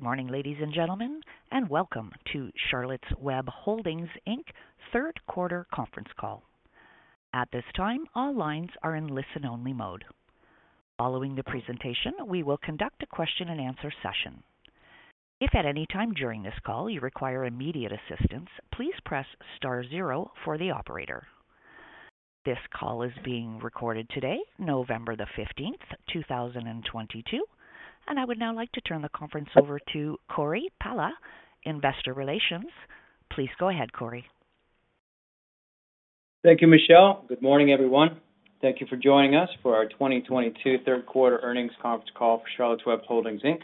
Good morning, ladies and gentlemen, and welcome to Charlotte's Web Holdings, Inc. third quarter conference call. At this time, all lines are in listen-only mode. Following the presentation, we will conduct a question and answer session. If at any time during this call you require immediate assistance, please press star zero for the operator. This call is being recorded today, November the 15th, two thousand and twenty-two, and I would now like to turn the conference over to Cory Pala, Investor Relations. Please go ahead, Cory. Thank you, Michelle. Good morning, everyone. Thank you for joining us for our 2022 third quarter earnings conference call for Charlotte's Web Holdings, Inc.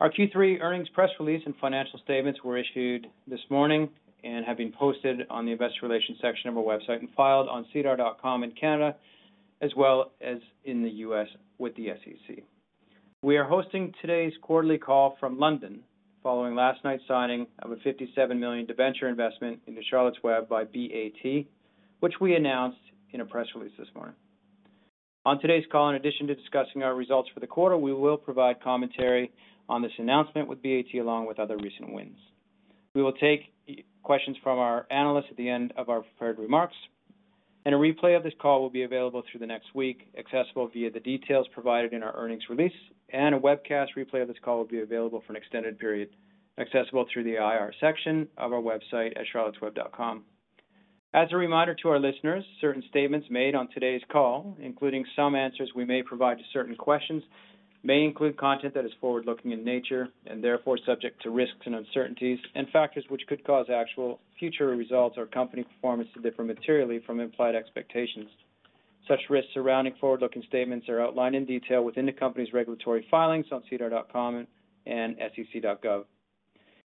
Our Q3 earnings press release and financial statements were issued this morning and have been posted on the investor relations section of our website and filed on sedar.com in Canada, as well as in the U.S. with the SEC. We are hosting today's quarterly call from London following last night's signing of a $57 million debenture investment into Charlotte's Web by BAT, which we announced in a press release this morning. On today's call, in addition to discussing our results for the quarter, we will provide commentary on this announcement with BAT, along with other recent wins. We will take questions from our analysts at the end of our prepared remarks, and a replay of this call will be available through the next week, accessible via the details provided in our earnings release, and a webcast replay of this call will be available for an extended period, accessible through the IR section of our website at charlottesweb.com. As a reminder to our listeners, certain statements made on today's call, including some answers we may provide to certain questions, may include content that is forward-looking in nature and therefore subject to risks and uncertainties and factors which could cause actual future results or company performance to differ materially from implied expectations. Such risks surrounding forward-looking statements are outlined in detail within the company's regulatory filings on sedar.com and sec.gov.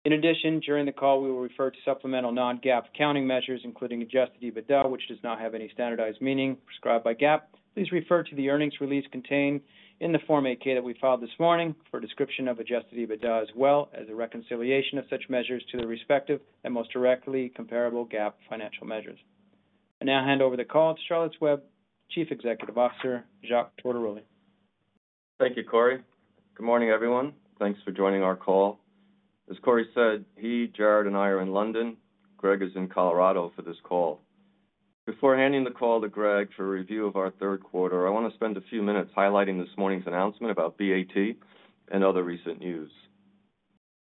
In addition, during the call, we will refer to supplemental non-GAAP accounting measures, including adjusted EBITDA, which does not have any standardized meaning prescribed by GAAP. Please refer to the earnings release contained in the Form 8-K that we filed this morning for a description of adjusted EBITDA, as well as a reconciliation of such measures to the respective and most directly comparable GAAP financial measures. I now hand over the call to Charlotte's Web Chief Executive Officer, Jacques Tortoroli. Thank you, Cory. Good morning, everyone. Thanks for joining our call. As Cory said, he, Jared, and I are in London. Greg is in Colorado for this call. Before handing the call to Greg for a review of our third quarter, I want to spend a few minutes highlighting this morning's announcement about BAT and other recent news.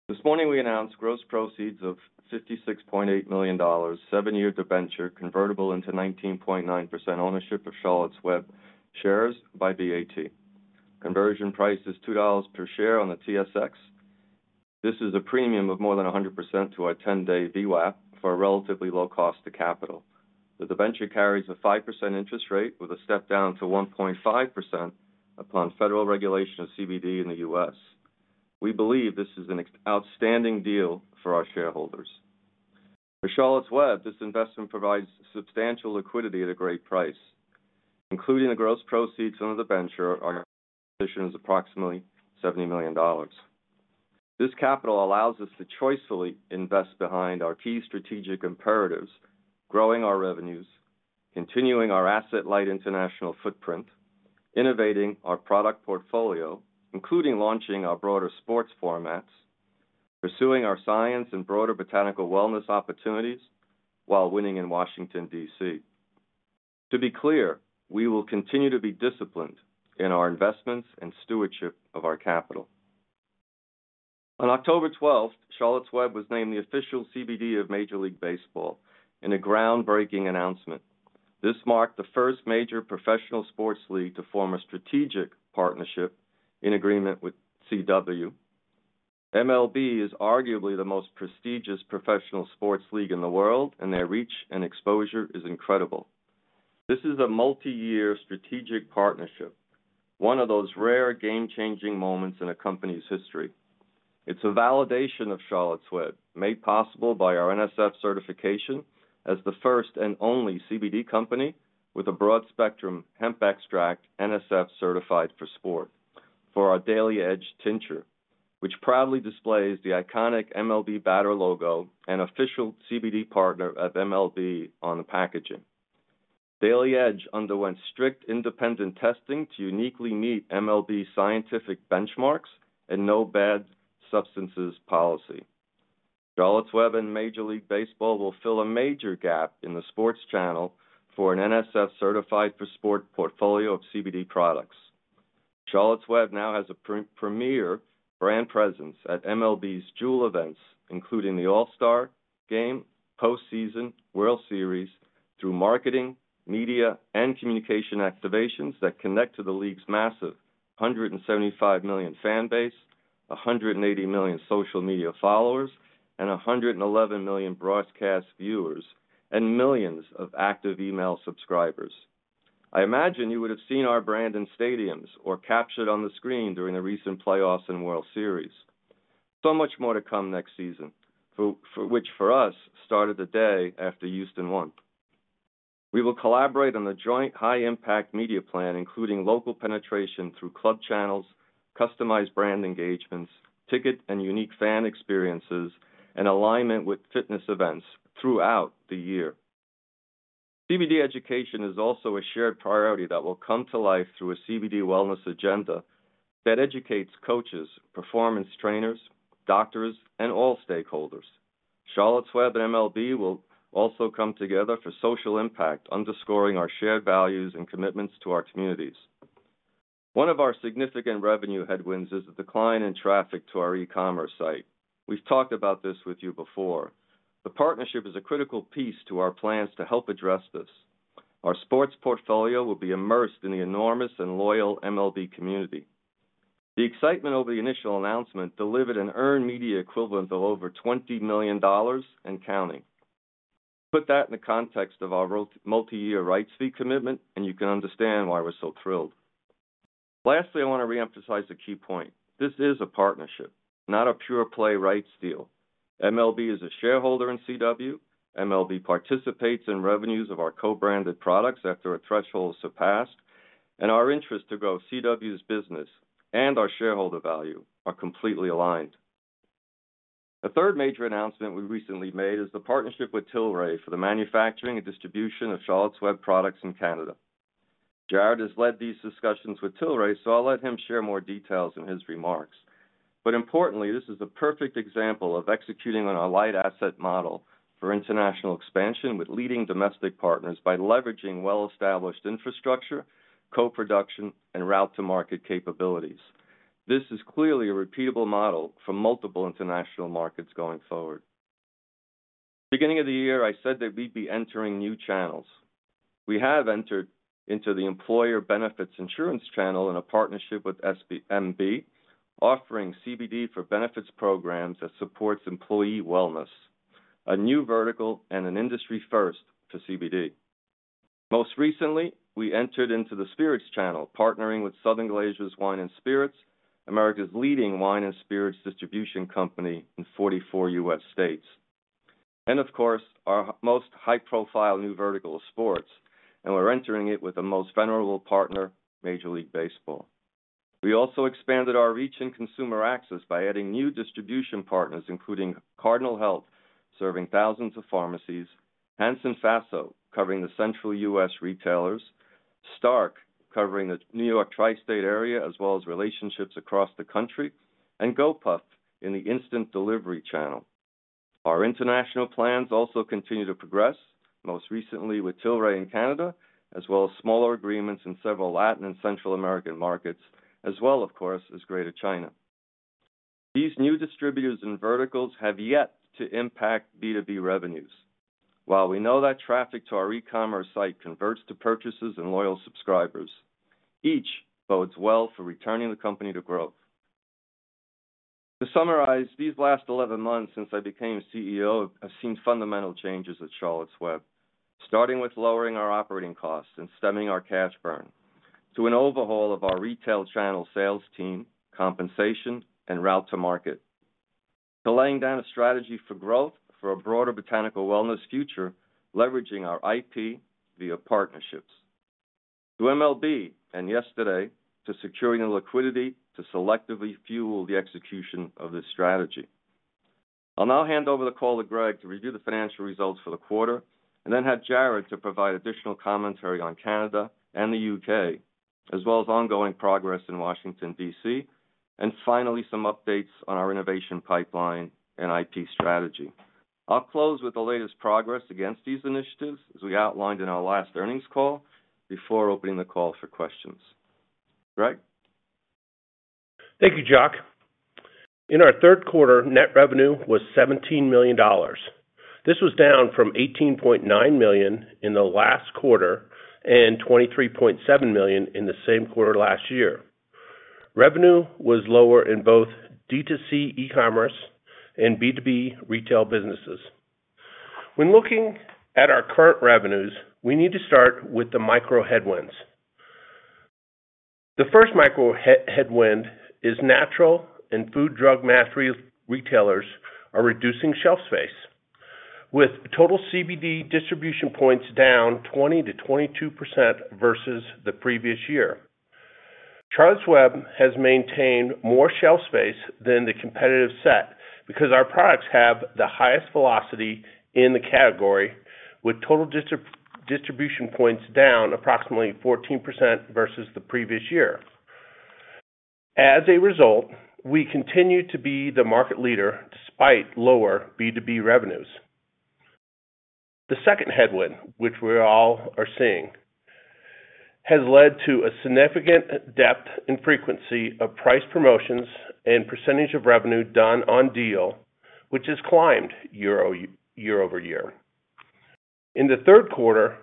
This morning, we announced gross proceeds of $56.8 million, 7-year debenture convertible into 19.9% ownership of Charlotte's Web shares by BAT. Conversion price is $2 per share on the TSX. This is a premium of more than 100% to our 10-day VWAP for a relatively low cost to capital. The debenture carries a 5% interest rate with a step down to 1.5% upon federal regulation of CBD in the U.S. We believe this is an outstanding deal for our shareholders. For Charlotte's Web, this investment provides substantial liquidity at a great price. Including the gross proceeds on the debenture, our position is approximately $70 million. This capital allows us to choicefully invest behind our key strategic imperatives, growing our revenues, continuing our asset-light international footprint, innovating our product portfolio, including launching our broader sports formats, pursuing our science and broader botanical wellness opportunities while winning in Washington, D.C. To be clear, we will continue to be disciplined in our investments and stewardship of our capital. On October 12th, Charlotte's Web was named the official CBD of Major League Baseball in a groundbreaking announcement. This marked the first major professional sports league to form a strategic partnership in agreement with CW. MLB is arguably the most prestigious professional sports league in the world, and their reach and exposure is incredible. This is a multi-year strategic partnership, one of those rare game-changing moments in a company's history. It's a validation of Charlotte's Web, made possible by our NSF certification as the first and only CBD company with a broad-spectrum hemp extract, NSF Certified for Sport for our Daily Edge tincture, which proudly displays the iconic MLB batter logo and official CBD partner of MLB on the packaging. Daily Edge underwent strict independent testing to uniquely meet MLB's scientific benchmarks and no banned substances policy. Charlotte's Web and Major League Baseball will fill a major gap in the sports channel for an NSF Certified for Sport portfolio of CBD products. Charlotte's Web now has a pre-premier brand presence at MLB's jewel events, including the All-Star Game, Postseason, World Series, through marketing, media, and communication activations that connect to the league's massive 175 million fan base, 180 million social media followers, and 111 million broadcast viewers and millions of active email subscribers. I imagine you would have seen our brand in stadiums or captured on the screen during the recent playoffs and World Series. Much more to come next season, for which, for us, started the day after Houston won. We will collaborate on a joint high-impact media plan, including local penetration through club channels, customized brand engagements, ticket and unique fan experiences, and alignment with fitness events throughout the year. CBD education is also a shared priority that will come to life through a CBD wellness agenda that educates coaches, performance trainers, doctors, and all stakeholders. Charlotte's Web and MLB will also come together for social impact, underscoring our shared values and commitments to our communities. One of our significant revenue headwinds is the decline in traffic to our e-commerce site. We've talked about this with you before. The partnership is a critical piece to our plans to help address this. Our sports portfolio will be immersed in the enormous and loyal MLB community. The excitement over the initial announcement delivered an earned media equivalent of over $20 million and counting. Put that in the context of our multi-year rights fee commitment, and you can understand why we're so thrilled. Lastly, I wanna re-emphasize a key point. This is a partnership, not a pure play rights deal. MLB is a shareholder in CW. MLB participates in revenues of our co-branded products after a threshold is surpassed, and our interest to grow CW's business and our shareholder value are completely aligned. The third major announcement we recently made is the partnership with Tilray for the manufacturing and distribution of Charlotte's Web products in Canada. Jared has led these discussions with Tilray, so I'll let him share more details in his remarks. Importantly, this is the perfect example of executing on our light asset model for international expansion with leading domestic partners by leveraging well-established infrastructure, co-production, and route to market capabilities. This is clearly a repeatable model for multiple international markets going forward. Beginning of the year, I said that we'd be entering new channels. We have entered into the employer benefits insurance channel in a partnership with SBMA, offering CBD for benefits programs that supports employee wellness, a new vertical and an industry first to CBD. Most recently, we entered into the spirits channel, partnering with Southern Glazer's Wine and Spirits, America's leading wine and spirits distribution company in 44 U.S. states. Of course, our most high-profile new vertical is sports, and we're entering it with the most venerable partner, Major League Baseball. We also expanded our reach and consumer access by adding new distribution partners, including Cardinal Health, serving thousands of pharmacies, Hanson Faso, covering the central U.S. retailers, Stark, covering the New York Tri-State area, as well as relationships across the country, and Gopuff in the instant delivery channel. Our international plans also continue to progress, most recently with Tilray in Canada, as well as smaller agreements in several Latin and Central American markets, as well, of course, as Greater China. These new distributors and verticals have yet to impact B2B revenues. While we know that traffic to our e-commerce site converts to purchases and loyal subscribers, each bodes well for returning the company to growth. To summarize, these last 11 months since I became CEO, I've seen fundamental changes at Charlotte's Web. Starting with lowering our operating costs and stemming our cash burn, to an overhaul of our retail channel sales team, compensation, and route to market. To laying down a strategy for growth for a broader botanical wellness future, leveraging our IP via partnerships. To MLB and yesterday to securing the liquidity to selectively fuel the execution of this strategy. I'll now hand over the call to Greg to review the financial results for the quarter and then have Jared to provide additional commentary on Canada and the U.K., as well as ongoing progress in Washington, D.C., and finally, some updates on our innovation pipeline and IT strategy. I'll close with the latest progress against these initiatives, as we outlined in our last earnings call, before opening the call for questions. Greg. Thank you, Jac. In our third quarter, net revenue was $17 million. This was down from $18.9 million in the last quarter and $23.7 million in the same quarter last year. Revenue was lower in both D2C e-commerce and B2B retail businesses. When looking at our current revenues, we need to start with the micro headwinds. The first micro headwind is natural and food, drug, mass retailers are reducing shelf space, with total CBD distribution points down 20%-22% versus the previous year. Charlotte's Web has maintained more shelf space than the competitive set because our products have the highest velocity in the category, with total distribution points down approximately 14% versus the previous year. As a result, we continue to be the market leader despite lower B2B revenues. The second headwind, which we all are seeing, has led to a significant depth and frequency of price promotions and percentage of revenue done on deal, which has climbed year-over-year. In the third quarter,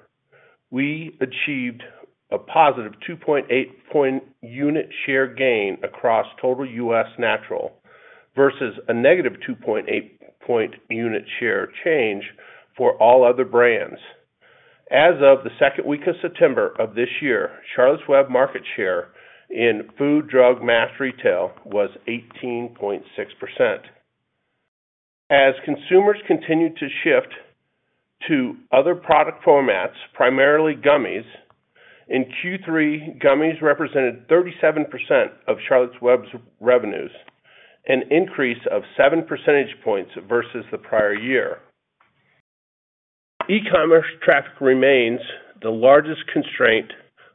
we achieved a positive 2.8 point unit share gain across total U.S. natural versus a negative 2.8 point unit share change for all other brands. As of the second week of September of this year, Charlotte's Web market share in food, drug, mass retail was 18.6%. As consumers continued to shift to other product formats, primarily gummies. In Q3, gummies represented 37% of Charlotte's Web's revenues, an increase of seven percentage points versus the prior year. E-commerce traffic remains the largest constraint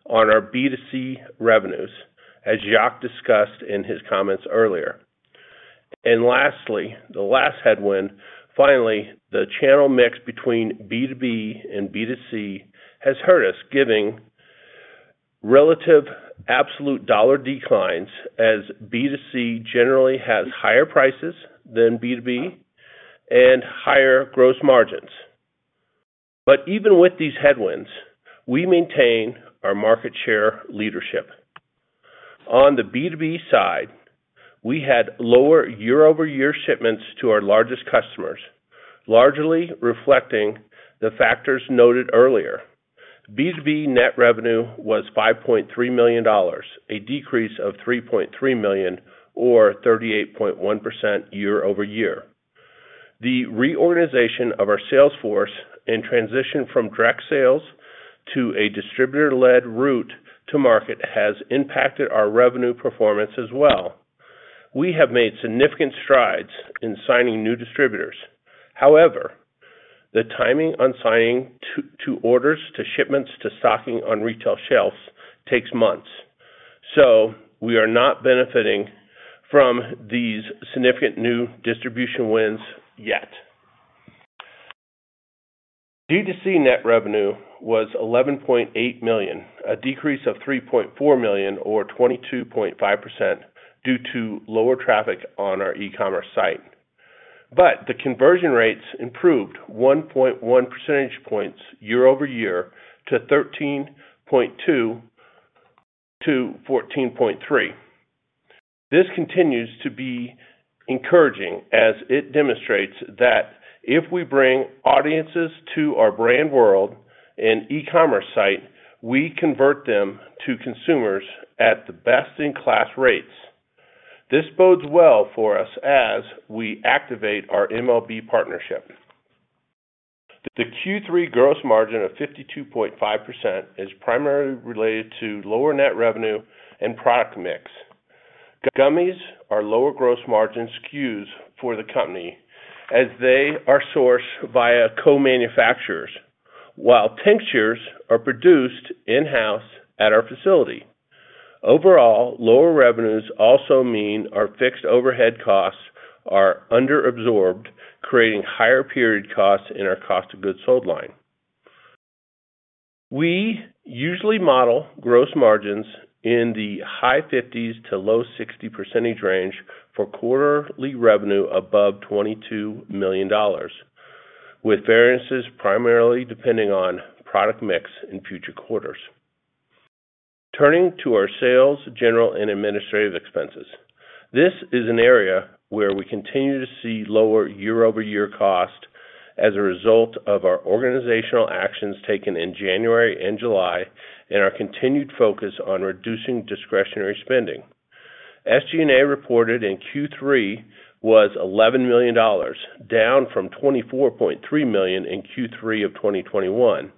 on our B2C revenues, as Jacques discussed in his comments earlier. Lastly, the last headwind, finally, the channel mix between B2B and B2C has hurt us, giving relative absolute dollar declines as B2C generally has higher prices than B2B and higher gross margins. Even with these headwinds, we maintain our market share leadership. On the B2B side, we had lower year-over-year shipments to our largest customers, largely reflecting the factors noted earlier. B2B net revenue was $5.3 million, a decrease of $3.3 million or 38.1% year-over-year. The reorganization of our sales force and transition from direct sales to a distributor-led route to market has impacted our revenue performance as well. We have made significant strides in signing new distributors. However, the timing on signing to orders to shipments to stocking on retail shelves takes months, so we are not benefiting from these significant new distribution wins yet. D2C net revenue was $11.8 million, a decrease of $3.4 million or 22.5% due to lower traffic on our e-commerce site. The conversion rates improved 1.1 percentage points year-over-year to 13.2%-14.3%. This continues to be encouraging as it demonstrates that if we bring audiences to our brand world and e-commerce site, we convert them to consumers at the best-in-class rates. This bodes well for us as we activate our MLB partnership. The Q3 gross margin of 52.5% is primarily related to lower net revenue and product mix. Gummies are lower gross margin SKUs for the company as they are sourced via co-manufacturers, while tinctures are produced in-house at our facility. Overall, lower revenues also mean our fixed overhead costs are under-absorbed, creating higher period costs in our cost of goods sold line. We usually model gross margins in the high 50s-low 60% range for quarterly revenue above $22 million, with variances primarily depending on product mix in future quarters. Turning to our sales, general, and administrative expenses. This is an area where we continue to see lower year-over-year cost as a result of our organizational actions taken in January and July and our continued focus on reducing discretionary spending. SG&A reported in Q3 was $11 million, down from $24.3 million in Q3 of 2021.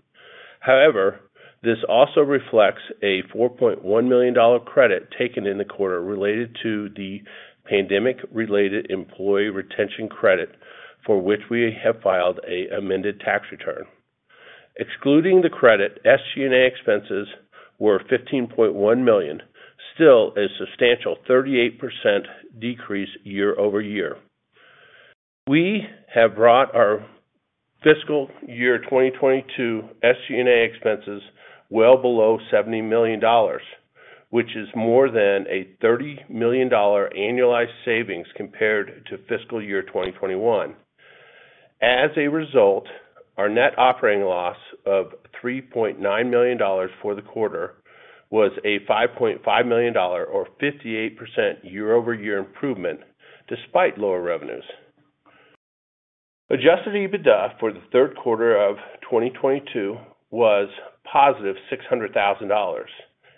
However, this also reflects a $4.1 million credit taken in the quarter related to the pandemic-related employee retention credit, for which we have filed an amended tax return. Excluding the credit, SG&A expenses were $15.1 million, still a substantial 38% decrease year-over-year. We have brought our fiscal year 2022 SG&A expenses well below $70 million, which is more than a $30 million annualized savings compared to fiscal year 2021. As a result, our net operating loss of $3.9 million for the quarter was a $5.5 million or 58% year-over-year improvement despite lower revenues. Adjusted EBITDA for the third quarter of 2022 was positive $600,000,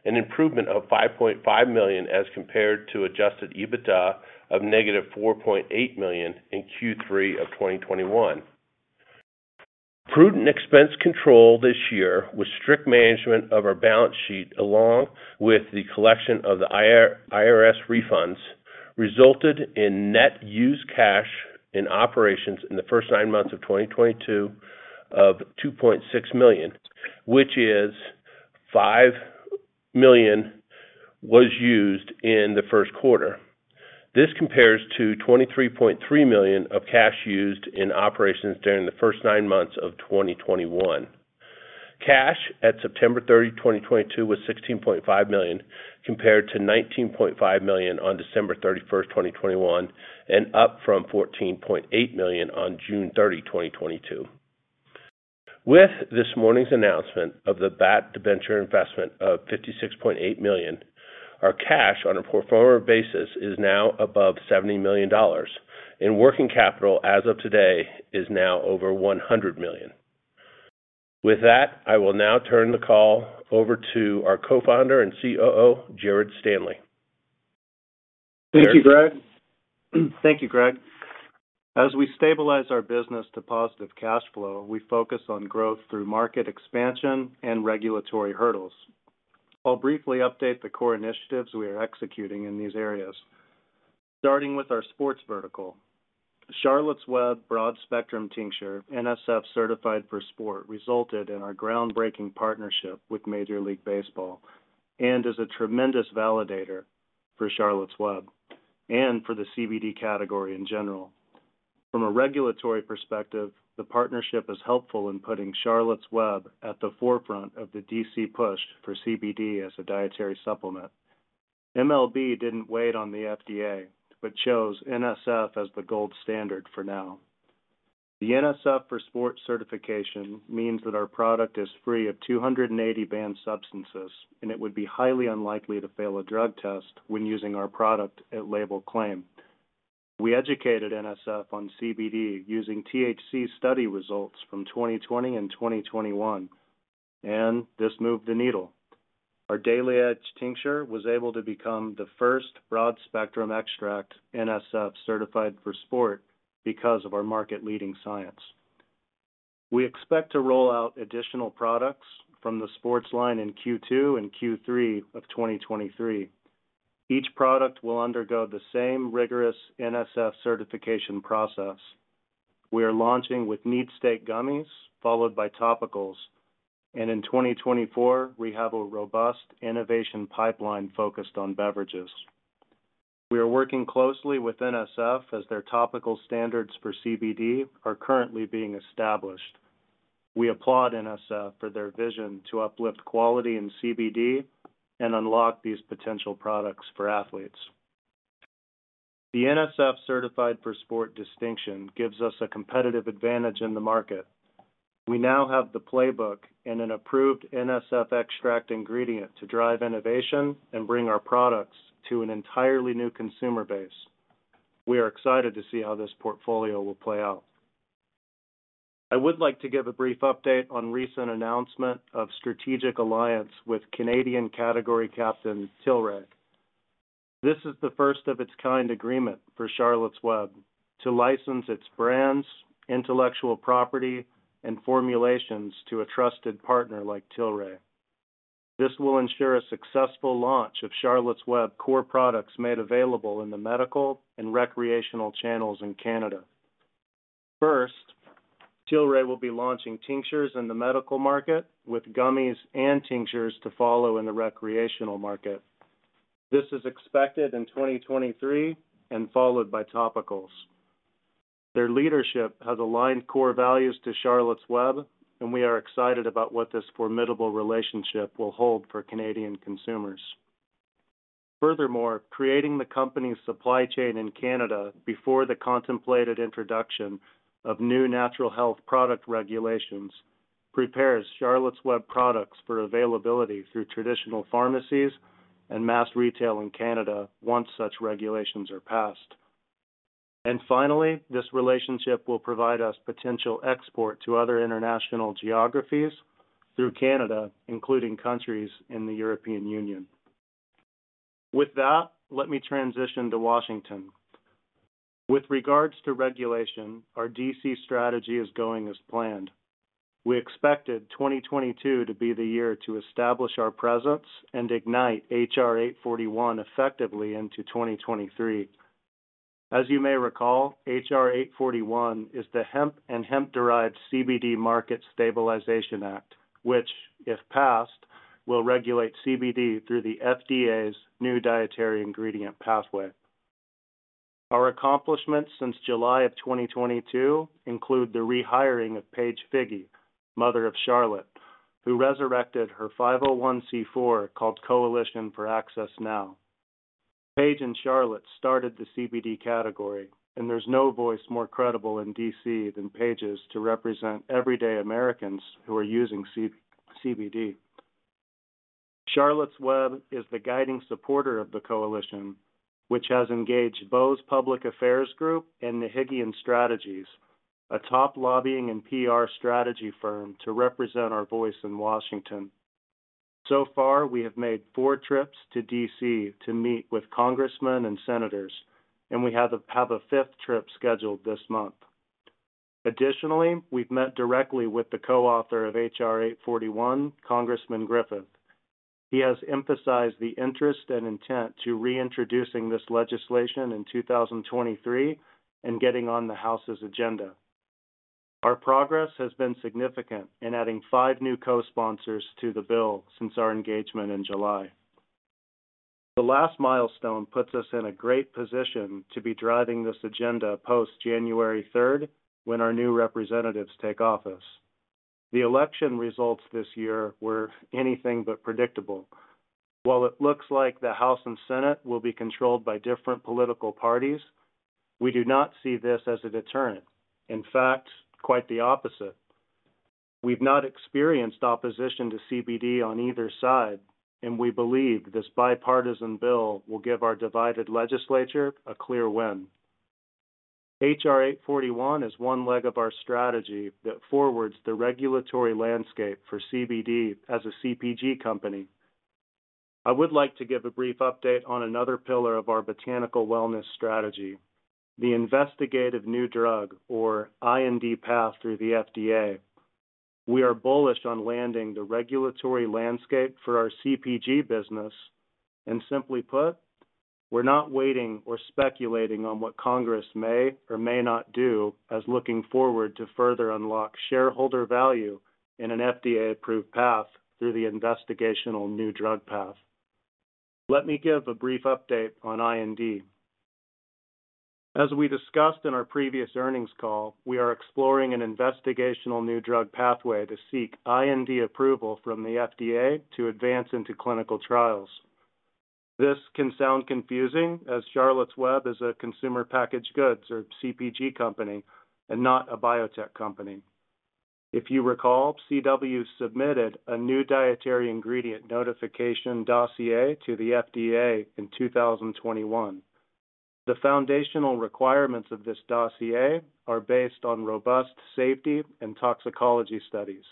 an improvement of $5.5 million as compared to adjusted EBITDA of negative $4.8 million in Q3 of 2021. Prudent expense control this year with strict management of our balance sheet along with the collection of the IRS refunds resulted in net use of cash in operations in the first nine months of 2022 of $2.6 million, which is $5 million was used in the first quarter. This compares to $23.3 million of cash used in operations during the first nine months of 2021. Cash at September 30, 2022, was $16.5 million, compared to $19.5 million on December 31, 2021, and up from $14.8 million on June 30, 2022. With this morning's announcement of the BAT debenture investment of $56.8 million, our cash on a pro forma basis is now above $70 million, and working capital as of today is now over $100 million. With that, I will now turn the call over to our Co-Founder and COO, Jared Stanley. Thank you, Greg. As we stabilize our business to positive cash flow, we focus on growth through market expansion and regulatory hurdles. I'll briefly update the core initiatives we are executing in these areas. Starting with our sports vertical. Charlotte's Web broad-spectrum tincture, NSF Certified for Sport, resulted in our groundbreaking partnership with Major League Baseball and is a tremendous validator for Charlotte's Web and for the CBD category in general. From a regulatory perspective, the partnership is helpful in putting Charlotte's Web at the forefront of the D.C. push for CBD as a dietary supplement. MLB didn't wait on the FDA, but chose NSF as the gold standard for now. The NSF Certified for Sport certification means that our product is free of 280 banned substances, and it would be highly unlikely to fail a drug test when using our product at label claim. We educated NSF on CBD using THC study results from 2020 and 2021, and this moved the needle. Our Daily Edge tincture was able to become the first broad-spectrum extract NSF Certified for Sport because of our market-leading science. We expect to roll out additional products from the sports line in Q2 and Q3 of 2023. Each product will undergo the same rigorous NSF certification process. We are launching with Muscle Recovery gummies followed by topicals. In 2024, we have a robust innovation pipeline focused on beverages. We are working closely with NSF as their topical standards for CBD are currently being established. We applaud NSF for their vision to uplift quality in CBD and unlock these potential products for athletes. The NSF Certified for Sport distinction gives us a competitive advantage in the market. We now have the playbook and an approved NSF extract ingredient to drive innovation and bring our products to an entirely new consumer base. We are excited to see how this portfolio will play out. I would like to give a brief update on recent announcement of strategic alliance with Canadian category captain Tilray. This is the first of its kind agreement for Charlotte's Web to license its brands, intellectual property, and formulations to a trusted partner like Tilray. This will ensure a successful launch of Charlotte's Web core products made available in the medical and recreational channels in Canada. First, Tilray will be launching tinctures in the medical market with gummies and tinctures to follow in the recreational market. This is expected in 2023 and followed by topicals. Their leadership has aligned core values to Charlotte's Web, and we are excited about what this formidable relationship will hold for Canadian consumers. Furthermore, creating the company's supply chain in Canada before the contemplated introduction of new natural health product regulations prepares Charlotte's Web products for availability through traditional pharmacies and mass retail in Canada once such regulations are passed. Finally, this relationship will provide us potential export to other international geographies through Canada, including countries in the European Union. With that, let me transition to Washington. With regards to regulation, our D.C. strategy is going as planned. We expected 2022 to be the year to establish our presence and ignite H.R. 841 effectively into 2023. As you may recall, H.R. 841 is the Hemp and Hemp-Derived CBD Market Stabilization Act, which, if passed, will regulate CBD through the FDA's new dietary ingredient pathway. Our accomplishments since July 2022 include the rehiring of Paige Figi, mother of Charlotte, who resurrected her 501(c)(4), called Coalition for Access Now. Paige and Charlotte started the CBD category, and there's no voice more credible in D.C. than Paige's to represent everyday Americans who are using CBD. Charlotte's Web is the guiding supporter of the Coalition, which has engaged both Bose Public Affairs Group and Nahigian Strategies, a top lobbying and PR strategy firm, to represent our voice in Washington. So far, we have made four trips to D.C. to meet with congressmen and senators, and we have a fifth trip scheduled this month. Additionally, we've met directly with the co-author of H.R. 841, Congressman Griffith. He has emphasized the interest and intent to reintroducing this legislation in 2023 and getting on the House's agenda. Our progress has been significant in adding five new co-sponsors to the bill since our engagement in July. The last milestone puts us in a great position to be driving this agenda post-January third, when our new representatives take office. The election results this year were anything but predictable. While it looks like the House and Senate will be controlled by different political parties, we do not see this as a deterrent. In fact, quite the opposite. We've not experienced opposition to CBD on either side, and we believe this bipartisan bill will give our divided legislature a clear win. H.R. 841 is one leg of our strategy that forwards the regulatory landscape for CBD as a CPG company. I would like to give a brief update on another pillar of our botanical wellness strategy, the investigative new drug or IND path through the FDA. We are bullish on navigating the regulatory landscape for our CPG business, and simply put, we're not waiting or speculating on what Congress may or may not do, as we're looking forward to further unlock shareholder value in an FDA-approved path through the investigational new drug path. Let me give a brief update on IND. As we discussed in our previous earnings call, we are exploring an investigational new drug pathway to seek IND approval from the FDA to advance into clinical trials. This can sound confusing as Charlotte's Web is a consumer packaged goods or CPG company and not a biotech company. If you recall, CW submitted a new dietary ingredient notification dossier to the FDA in 2021. The foundational requirements of this dossier are based on robust safety and toxicology studies.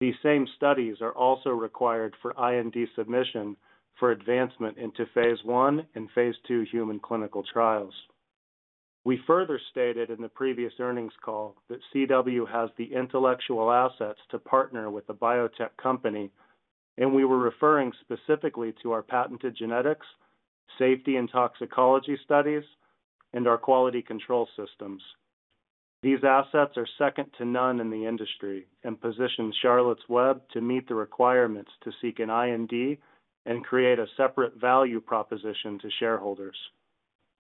These same studies are also required for IND submission for advancement into phase one and phase two human clinical trials. We further stated in the previous earnings call that CW has the intellectual assets to partner with a biotech company, and we were referring specifically to our patented genetics, safety and toxicology studies, and our quality control systems. These assets are second to none in the industry and positions Charlotte's Web to meet the requirements to seek an IND and create a separate value proposition to shareholders.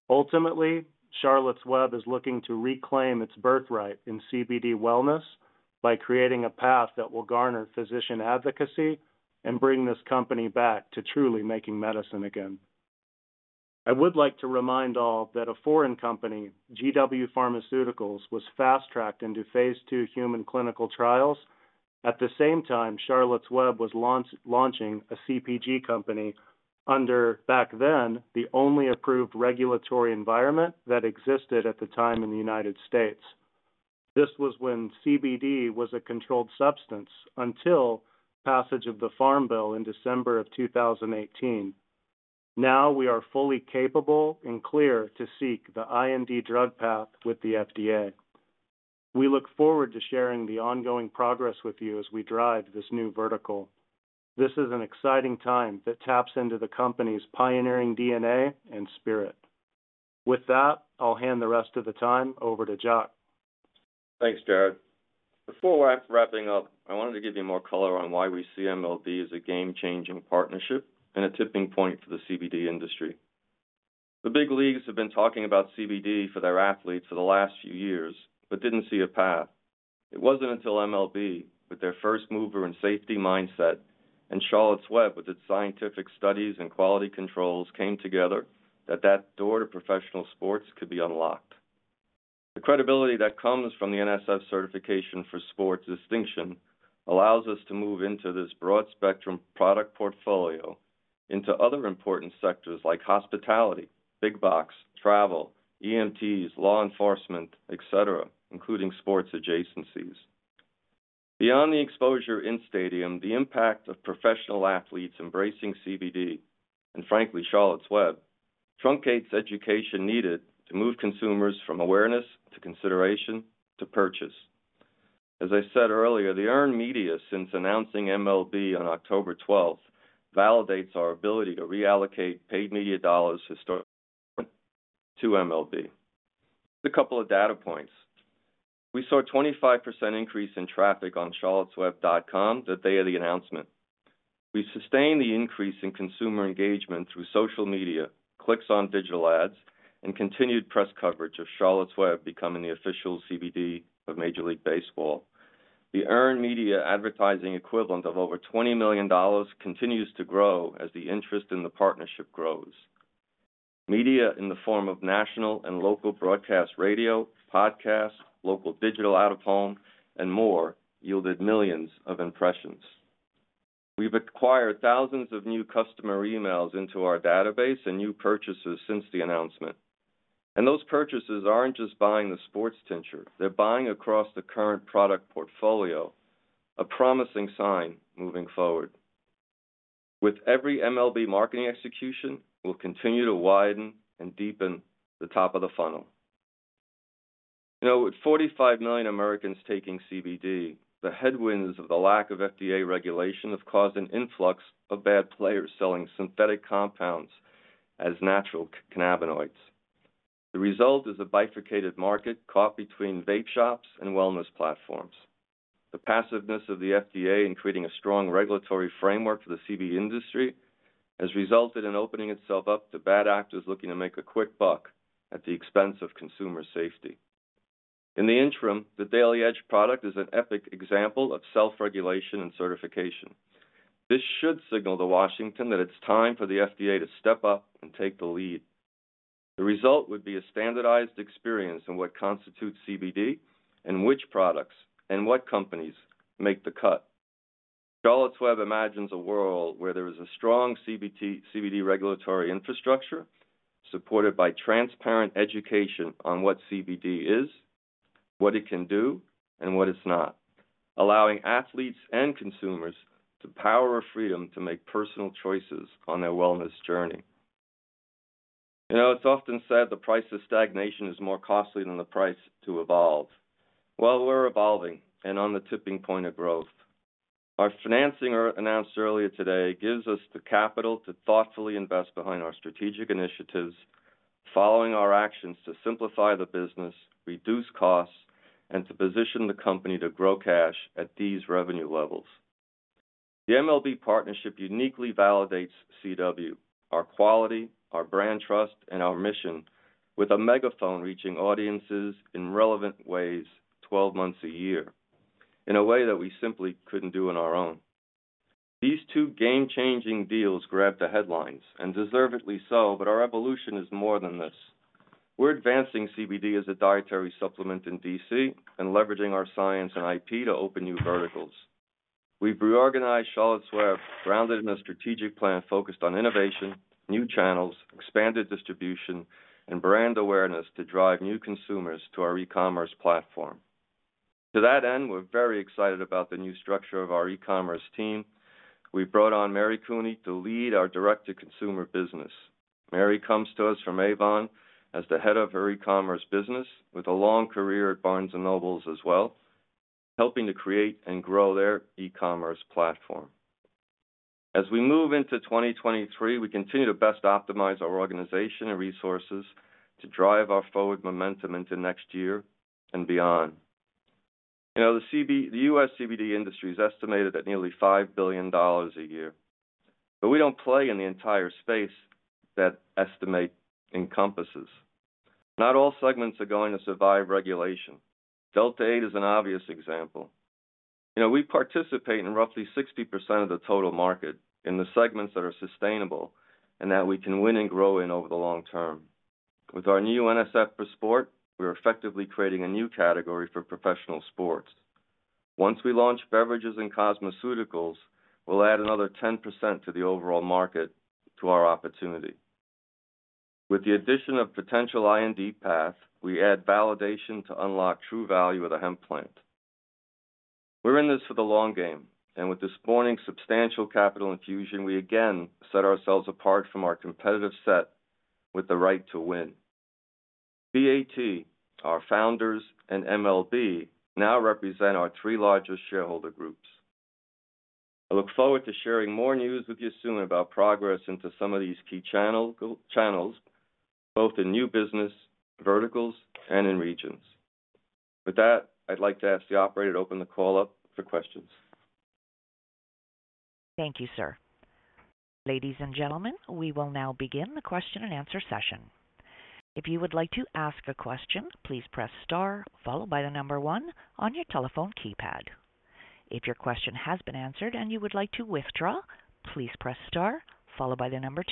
Ultimately, Charlotte's Web is looking to reclaim its birthright in CBD wellness by creating a path that will garner physician advocacy and bring this company back to truly making medicine again. I would like to remind all that a foreign company, GW Pharmaceuticals, was fast-tracked into phase two human clinical trials. At the same time, Charlotte's Web was launching a CPG company under, back then, the only approved regulatory environment that existed at the time in the United States. This was when CBD was a controlled substance until passage of the Farm Bill in December 2018. Now we are fully capable and clear to seek the IND drug path with the FDA. We look forward to sharing the ongoing progress with you as we drive this new vertical. This is an exciting time that taps into the company's pioneering DNA and spirit. With that, I'll hand the rest of the time over to Jac. Thanks, Jared. Before wrapping up, I wanted to give you more color on why we see MLB as a game-changing partnership and a tipping point for the CBD industry. The big leagues have been talking about CBD for their athletes for the last few years, but didn't see a path. It wasn't until MLB, with their first mover and safety mindset, and Charlotte's Web, with its scientific studies and quality controls, came together that door to professional sports could be unlocked. The credibility that comes from the NSF certification for sports distinction allows us to move into this broad spectrum product portfolio into other important sectors like hospitality, big box, travel, EMTs, law enforcement, etc., including sports adjacencies. Beyond the exposure in stadium, the impact of professional athletes embracing CBD, and frankly, Charlotte's Web, truncates education needed to move consumers from awareness to consideration to purchase. As I said earlier, the earned media since announcing MLB on October twelfth validates our ability to reallocate paid media dollars historically to MLB. A couple of data points. We saw a 25% increase in traffic on charlottesweb.com the day of the announcement. We sustained the increase in consumer engagement through social media, clicks on digital ads, and continued press coverage of Charlotte's Web becoming the official CBD of Major League Baseball. The earned media advertising equivalent of over $20 million continues to grow as the interest in the partnership grows. Media in the form of national and local broadcast radio, podcasts, local digital out of home, and more yielded millions of impressions. We've acquired thousands of new customer emails into our database and new purchases since the announcement, and those purchases aren't just buying the sports tincture, they're buying across the current product portfolio, a promising sign moving forward. With every MLB marketing execution, we'll continue to widen and deepen the top of the funnel. Now, with 45 million Americans taking CBD, the headwinds of the lack of FDA regulation have caused an influx of bad players selling synthetic compounds as natural cannabinoids. The result is a bifurcated market caught between vape shops and wellness platforms. The passiveness of the FDA in creating a strong regulatory framework for the CBD industry has resulted in opening itself up to bad actors looking to make a quick buck at the expense of consumer safety. In the interim, the Daily Edge product is an epic example of self-regulation and certification. This should signal to Washington that it's time for the FDA to step up and take the lead. The result would be a standardized experience in what constitutes CBD and which products and what companies make the cut. Charlotte's Web imagines a world where there is a strong CBD regulatory infrastructure supported by transparent education on what CBD is, what it can do, and what it's not, allowing athletes and consumers the power of freedom to make personal choices on their wellness journey. You know, it's often said the price of stagnation is more costly than the price to evolve. Well, we're evolving and on the tipping point of growth. Our financing announced earlier today gives us the capital to thoughtfully invest behind our strategic initiatives, following our actions to simplify the business, reduce costs, and to position the company to grow cash at these revenue levels. The MLB partnership uniquely validates CW, our quality, our brand trust, and our mission with a megaphone reaching audiences in relevant ways twelve months a year in a way that we simply couldn't do on our own. These two game-changing deals grabbed the headlines, and deservedly so, but our evolution is more than this. We're advancing CBD as a dietary supplement in D.C. and leveraging our science and IP to open new verticals. We've reorganized Charlotte's Web, grounded in a strategic plan, focused on innovation, new channels, expanded distribution, and brand awareness to drive new consumers to our e-commerce platform. To that end, we're very excited about the new structure of our e-commerce team. We brought on Mary Cooney to lead our direct-to-consumer business. Mary comes to us from Avon as the head of her e-commerce business, with a long career at Barnes & Noble as well, helping to create and grow their e-commerce platform. As we move into 2023, we continue to best optimize our organization and resources to drive our forward momentum into next year and beyond. You know, the U.S. CBD industry is estimated at nearly $5 billion a year, but we don't play in the entire space that estimate encompasses. Not all segments are going to survive regulation. Delta-8 is an obvious example. You know, we participate in roughly 60% of the total market in the segments that are sustainable and that we can win and grow in over the long term. With our new NSF for sport, we are effectively creating a new category for professional sports. Once we launch beverages and cosmeceuticals, we'll add another 10% to the overall market to our opportunity. With the addition of potential IND path, we add validation to unlock true value of the hemp plant. We're in this for the long game, and with this morning's substantial capital infusion, we again set ourselves apart from our competitive set with the right to win. BAT, our founders, and MLB now represent our three largest shareholder groups. I look forward to sharing more news with you soon about progress into some of these key channels, go-to channels, both in new business verticals and in regions. With that, I'd like to ask the operator to open the call up for questions. Thank you, sir. Ladies and gentlemen, we will now begin the question-and-answer session. If you would like to ask a question, please press star followed by the number one on your telephone keypad. If your question has been answered and you would like to withdraw, please press star followed by the number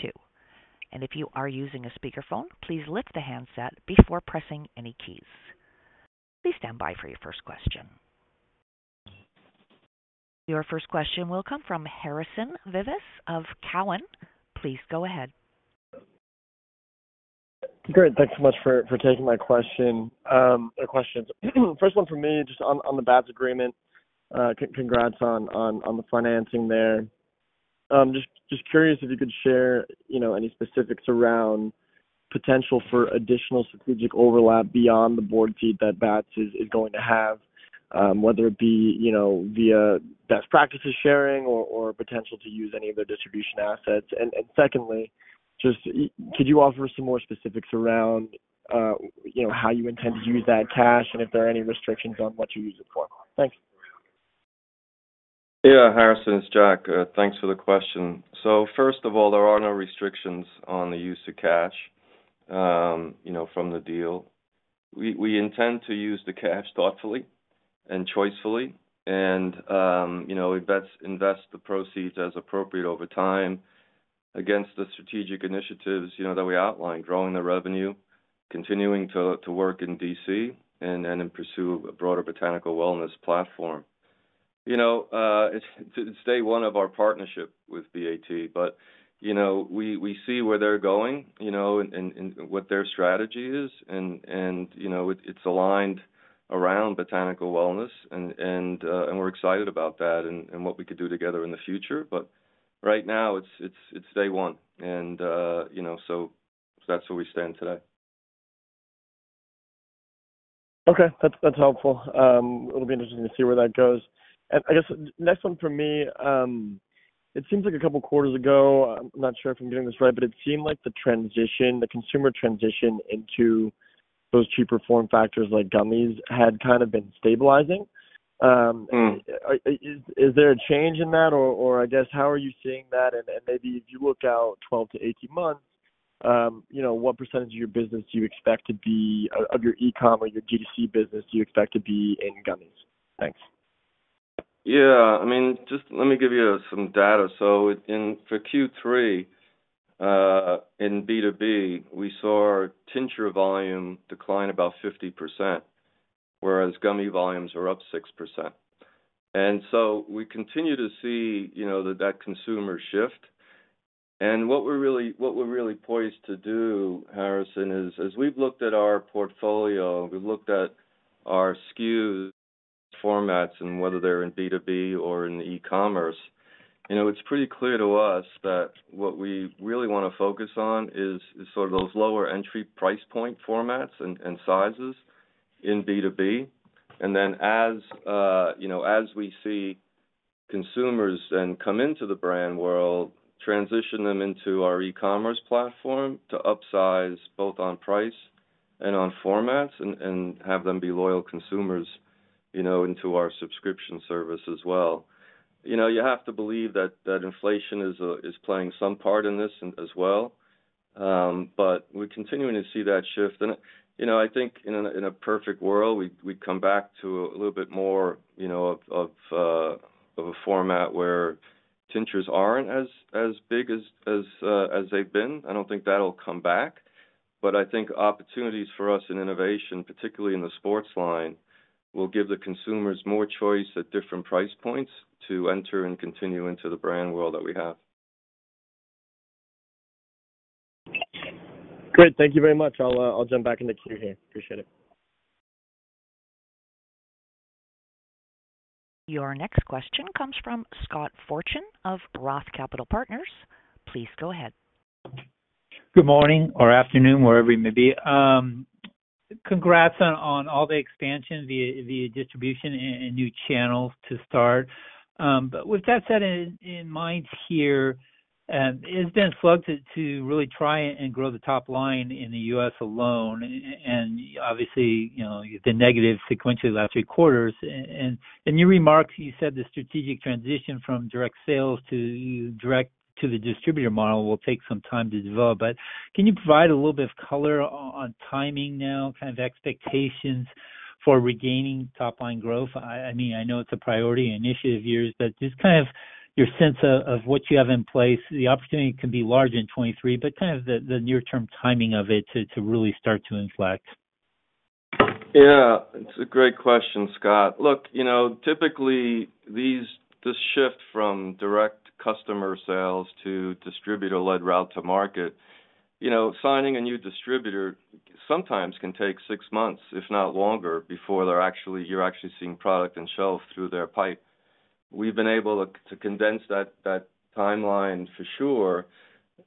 two. If you are using a speakerphone, please lift the handset before pressing any keys. Please stand by for your first question. Your first question will come from Harrison Vivas of Cowen. Please go ahead. Great. Thanks so much for taking my question or questions. First one for me, just on the BAT agreement. Congrats on the financing there. Just curious if you could share, you know, any specifics around potential for additional strategic overlap beyond the board seat that BAT is going to have, whether it be, you know, via best practices sharing or potential to use any of their distribution assets. Secondly, just could you offer some more specifics around, you know, how you intend to use that cash and if there are any restrictions on what you use it for? Thanks. Yeah. Harrison, it's Jack. Thanks for the question. So first of all, there are no restrictions on the use of cash, you know, from the deal. We intend to use the cash thoughtfully and choicefully and, you know, invest the proceeds as appropriate over time against the strategic initiatives, you know, that we outlined, growing the revenue, continuing to work in DC and pursue a broader botanical wellness platform. You know, it's day one of our partnership with BAT, but, you know, we see where they're going, you know, and what their strategy is and, you know, it's aligned around botanical wellness and we're excited about that and what we could do together in the future. Right now it's day one and, you know, so that's where we stand today. Okay. That's helpful. It'll be interesting to see where that goes. I guess next one for me, it seems like a couple of quarters ago, I'm not sure if I'm getting this right, but it seemed like the transition, the consumer transition into those cheaper form factors like gummies had kind of been stabilizing. Mm. Is there a change in that or I guess how are you seeing that? Maybe if you look out 12-18 months, what percentage of your e-com or your GDC business do you expect to be in gummies? Thanks. Yeah, I mean, just let me give you some data. For Q3 in B2B, we saw our tincture volume decline about 50%. Whereas gummy volumes are up 6%. We continue to see, you know, that consumer shift. What we're really poised to do, Harrison, is as we've looked at our portfolio, we've looked at our SKUs formats and whether they're in B2B or in e-commerce, you know, it's pretty clear to us that what we really want to focus on is sort of those lower entry price point formats and sizes in B2B. Then as you know as we see consumers then come into the brand world, transition them into our e-commerce platform to upsize both on price and on formats and have them be loyal consumers, you know, into our subscription service as well. You know, you have to believe that inflation is playing some part in this as well. We're continuing to see that shift. You know, I think in a perfect world, we'd come back to a little bit more, you know, of a format where tinctures aren't as big as they've been. I don't think that'll come back. I think opportunities for us in innovation, particularly in the sports line, will give the consumers more choice at different price points to enter and continue into the brand world that we have. Great. Thank you very much. I'll jump back into queue here. Appreciate it. Your next question comes from Scott Fortune of Roth Capital Partners. Please go ahead. Good morning or afternoon, wherever you may be. Congrats on all the expansion via distribution and new channels to start. With that said in mind here, it's been sluggish to really try and grow the top line in the U.S. alone. Obviously, you know, the negative sequentially last three quarters. In your remarks, you said the strategic transition from direct sales to direct to the distributor model will take some time to develop. Can you provide a little bit of color on timing now, kind of expectations for regaining top line growth? I mean, I know it's a priority initiative of yours, but just kind of your sense of what you have in place. The opportunity can be large in 2023, but kind of the near term timing of it to really start to inflect. Yeah, it's a great question, Scott. Look, you know, typically this shift from direct customer sales to distributor-led route to market, you know, signing a new distributor sometimes can take six months, if not longer, before you're actually seeing product and shelf through their pipe. We've been able to condense that timeline for sure.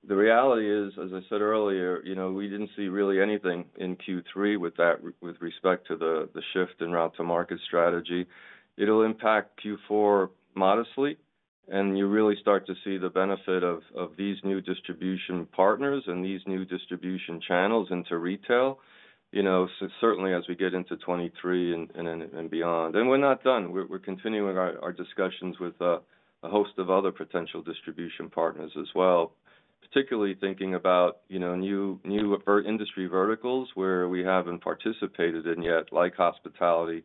The reality is, as I said earlier, you know, we didn't see really anything in Q3 with that, with respect to the shift in route to market strategy. It'll impact Q4 modestly, and you really start to see the benefit of these new distribution partners and these new distribution channels into retail, you know, certainly as we get into 2023 and then beyond. We're not done. We're continuing our discussions with a host of other potential distribution partners as well, particularly thinking about, you know, new industry verticals where we haven't participated in yet, like hospitality,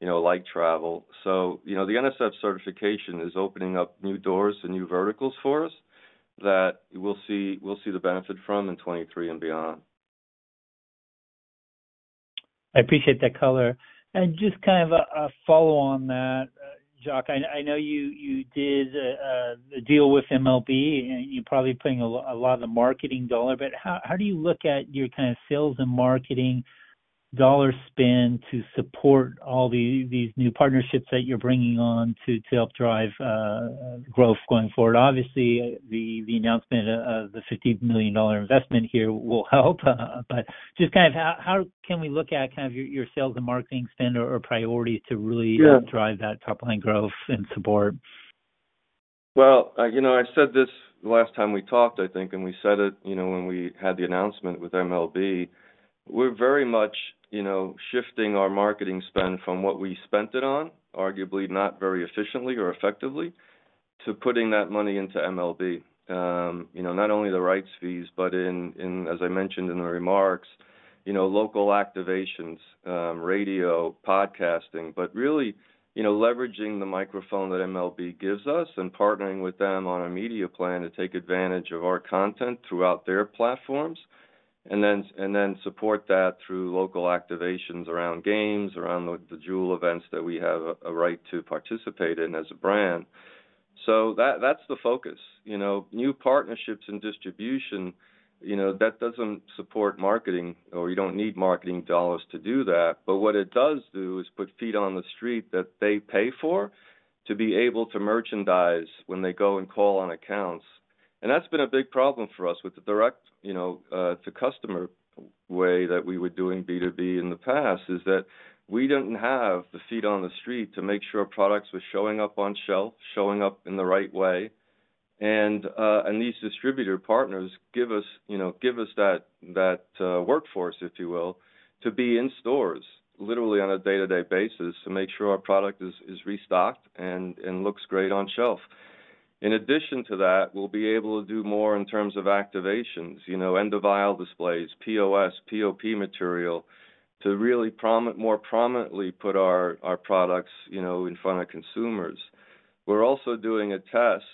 you know, like travel. You know, the NSF certification is opening up new doors and new verticals for us that we'll see the benefit from in 2023 and beyond. I appreciate that color. Just kind of a follow on that, Jac, I know you did a deal with MLB, and you're probably putting a lot of the marketing dollar, but how do you look at your kind of sales and marketing dollar spend to support all these new partnerships that you're bringing on to help drive growth going forward? Obviously, the announcement of the $50 million investment here will help, but just kind of how can we look at kind of your sales and marketing spend or priority to really- Yeah. drive that top line growth and support? Well, you know, I said this last time we talked, I think, and we said it, you know, when we had the announcement with MLB, we're very much, you know, shifting our marketing spend from what we spent it on, arguably not very efficiently or effectively, to putting that money into MLB. You know, not only the rights fees, but in, as I mentioned in the remarks, you know, local activations, radio, podcasting, but really, you know, leveraging the microphone that MLB gives us and partnering with them on a media plan to take advantage of our content throughout their platforms, and then support that through local activations around games, around the jewel events that we have a right to participate in as a brand. That, that's the focus. You know, new partnerships and distribution, you know, that doesn't support marketing or you don't need marketing dollars to do that. What it does do is put feet on the street that they pay for to be able to merchandise when they go and call on accounts. That's been a big problem for us with the direct, you know, to customer way that we were doing B2B in the past, is that we didn't have the feet on the street to make sure products were showing up on shelf, showing up in the right way. These distributor partners give us, you know, give us that workforce, if you will, to be in stores literally on a day-to-day basis to make sure our product is restocked and looks great on shelf. In addition to that, we'll be able to do more in terms of activations, you know, end of aisle displays, POS, POP material to really more prominently put our products, you know, in front of consumers. We're also doing a test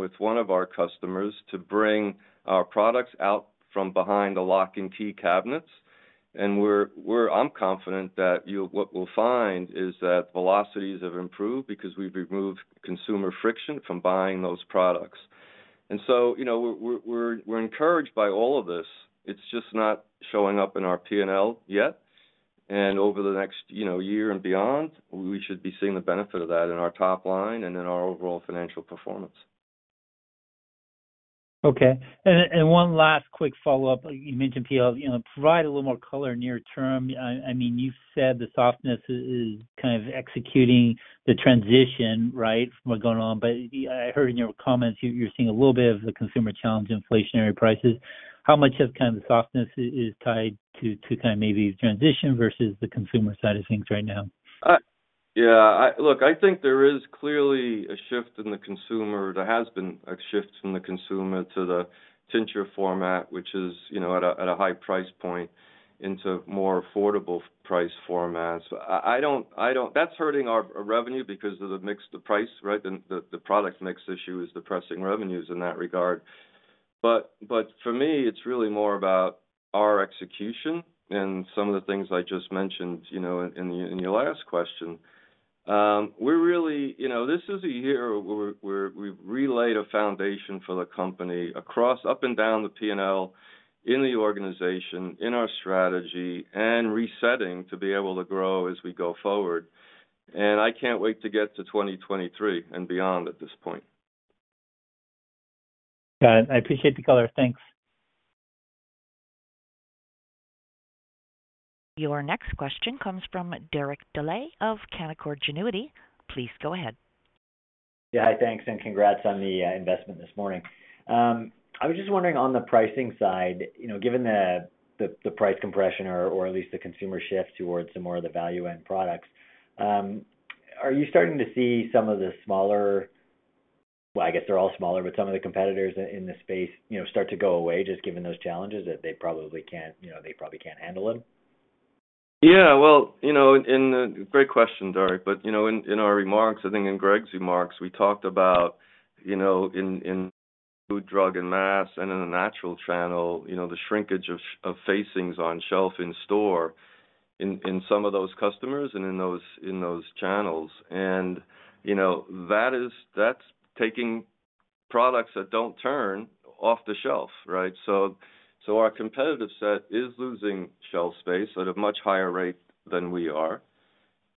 with one of our customers to bring our products out from behind the lock and key cabinets. I'm confident that what we'll find is that velocities have improved because we've removed consumer friction from buying those products. You know, we're encouraged by all of this. It's just not showing up in our P&L yet. Over the next, you know, year and beyond, we should be seeing the benefit of that in our top line and in our overall financial performance. Okay. One last quick follow-up. You mentioned P&L. You know, provide a little more color near term. I mean, you said the softness is kind of executing the transition, right? From what's going on. I heard in your comments you're seeing a little bit of the consumer challenge, inflationary prices. How much of kind of the softness is tied to kind of maybe transition versus the consumer side of things right now? Yeah. Look, I think there is clearly a shift in the consumer. There has been a shift from the consumer to the tincture format, which is, you know, at a high price point into more affordable price formats. I don't. That's hurting our revenue because of the mix, the price, right? The product mix issue is depressing revenues in that regard. But for me, it's really more about our execution and some of the things I just mentioned, you know, in your last question. You know, this is a year where we've laid a foundation for the company across up and down the P&L in the organization, in our strategy, and resetting to be able to grow as we go forward. I can't wait to get to 2023 and beyond at this point. Got it. I appreciate the color. Thanks. Your next question comes from Derek Dley of Canaccord Genuity. Please go ahead. Yeah. Hi. Thanks, and congrats on the investment this morning. I was just wondering on the pricing side, you know, given the price compression or at least the consumer shift towards some more of the value-end products, are you starting to see some of the smaller. Well, I guess they're all smaller, but some of the competitors in the space, you know, start to go away just given those challenges that they probably can't, you know, they probably can't handle them? Yeah. Well, you know, great question, Derek. You know, in our remarks, I think in Greg's remarks, we talked about, you know, in food, drug, and mass and in the natural channel, you know, the shrinkage of facings on shelf in store in some of those customers and in those channels. You know, that is taking products that don't turn off the shelf, right? Our competitive set is losing shelf space at a much higher rate than we are.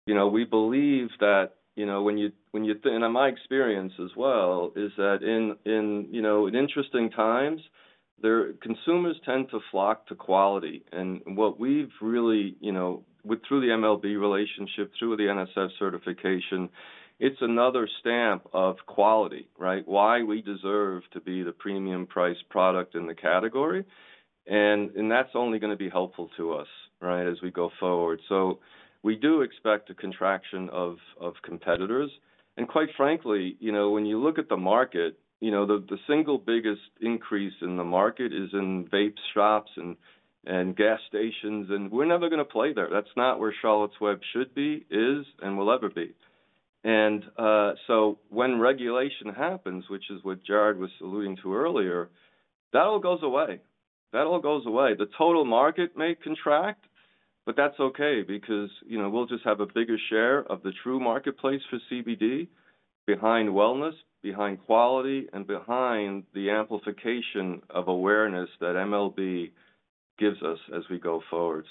You know, we believe that, you know. In my experience as well is that in you know, in interesting times, consumers tend to flock to quality. What we've really, you know, through the MLB relationship, through the NSF certification, it's another stamp of quality, right? Why we deserve to be the premium price product in the category. That's only gonna be helpful to us, right, as we go forward. We do expect a contraction of competitors. Quite frankly, you know, when you look at the market, you know, the single biggest increase in the market is in vape shops and gas stations, and we're never gonna play there. That's not where Charlotte's Web should be and will ever be. When regulation happens, which is what Jared was alluding to earlier, that all goes away. That all goes away. The total market may contract, but that's okay because, you know, we'll just have a bigger share of the true marketplace for CBD behind wellness, behind quality, and behind the amplification of awareness that MLB gives us as we go forward.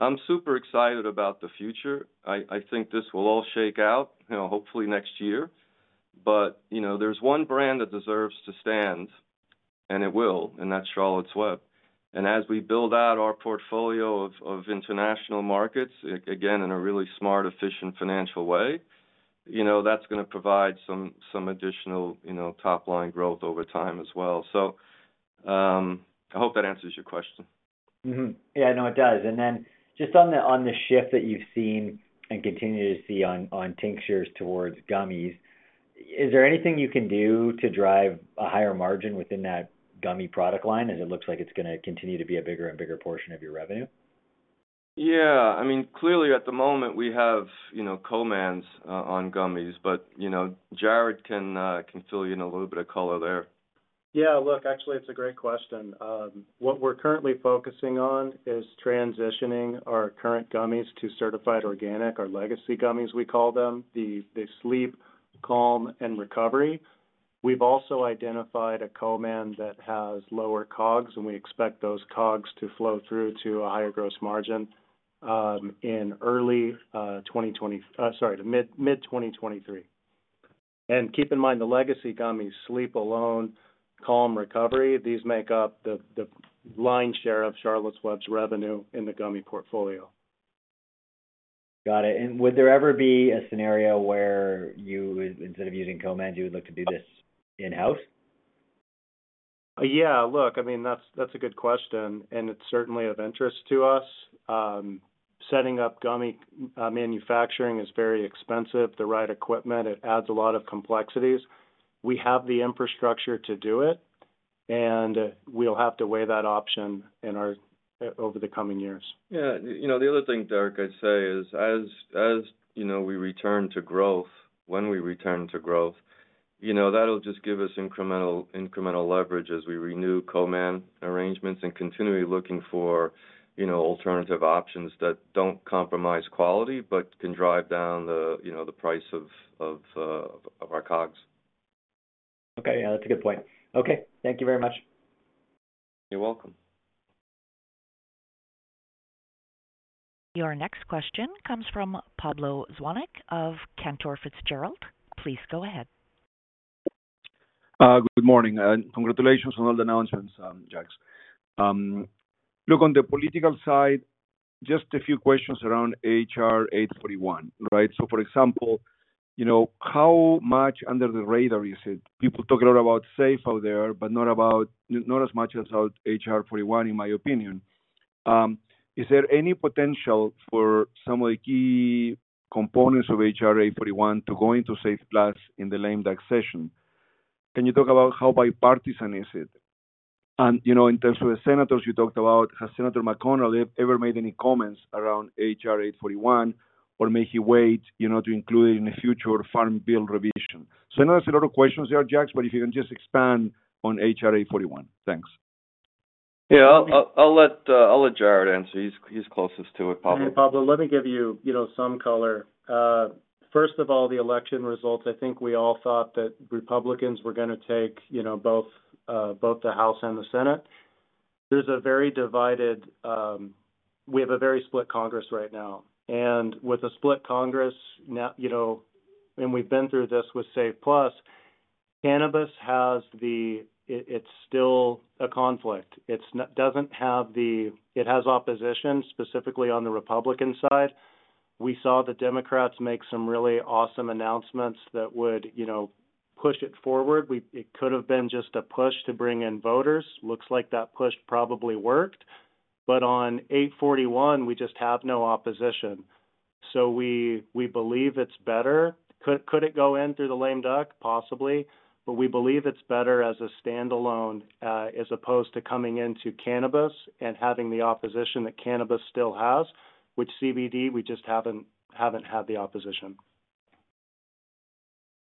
I'm super excited about the future. I think this will all shake out, you know, hopefully next year. You know, there's one brand that deserves to stand, and it will, and that's Charlotte's Web. As we build out our portfolio of international markets, again, in a really smart, efficient financial way, you know, that's gonna provide some additional, you know, top-line growth over time as well. I hope that answers your question. Mm-hmm. Yeah, no, it does. Then just on the shift that you've seen and continue to see on tinctures towards gummies, is there anything you can do to drive a higher margin within that gummy product line as it looks like it's gonna continue to be a bigger and bigger portion of your revenue? Yeah. I mean, clearly at the moment we have, you know, Calm's own gummies. You know, Jared can fill you in a little bit of color there. Yeah. Look, actually, it's a great question. What we're currently focusing on is transitioning our current gummies to certified organic, our legacy gummies, we call them. The Sleep, Calm, and Recovery. We've also identified a co-man that has lower COGS, and we expect those COGS to flow through to a higher gross margin in mid-2023. Keep in mind the legacy gummies, Sleep alone, Calm, Recovery, these make up the lion's share of Charlotte's Web's revenue in the gummy portfolio. Got it. Would there ever be a scenario where you would, instead of using co-mans, you would look to do this in-house? Yeah. Look, I mean, that's a good question, and it's certainly of interest to us. Setting up gummy manufacturing is very expensive. The right equipment, it adds a lot of complexities. We have the infrastructure to do it. We'll have to weigh that option over the coming years. Yeah. You know, the other thing, Derek, I'd say is as you know, we return to growth, when we return to growth, you know, that'll just give us incremental leverage as we renew co-man arrangements and continually looking for, you know, alternative options that don't compromise quality, but can drive down the, you know, the price of our COGS. Okay. Yeah, that's a good point. Okay. Thank you very much. You're welcome. Your next question comes from Pablo Zuanic of Cantor Fitzgerald. Please go ahead. Good morning, and congratulations on all the announcements, Jacks. Look, on the political side, just a few questions around H.R. 841. Right. For example, you know, how much under the radar is it? People talk a lot about SAFE out there, but not as much about H.R. 841, in my opinion. Is there any potential for some of the key components of H.R. 841 to go into SAFE Plus in the lame duck session? Can you talk about how bipartisan is it? You know, in terms of the senators you talked about, has Senator McConnell ever made any comments around H.R. 841, or may he wait, you know, to include it in a future Farm Bill revision? I know that's a lot of questions there, Jacks, but if you can just expand on H.R. 841. Thanks. Yeah. I'll let Jared answer. He's closest to it, Pablo. Hey, Pablo, let me give you know, some color. First of all, the election results, I think we all thought that Republicans were gonna take, you know, both the House and the Senate. We have a very split Congress right now. With a split Congress now, you know, and we've been through this with SAFE Plus, it's still a conflict. It has opposition, specifically on the Republican side. We saw the Democrats make some really awesome announcements that would, you know, push it forward. It could have been just a push to bring in voters. Looks like that push probably worked. On H.R. 841, we just have no opposition. We believe it's better. Could it go in through the lame duck? Possibly, but we believe it's better as a standalone, as opposed to coming into cannabis and having the opposition that cannabis still has. With CBD, we just haven't had the opposition.